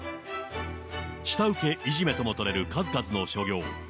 下請けいじめとも取れる数々の所業。